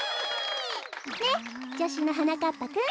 ねっじょしゅのはなかっぱくん。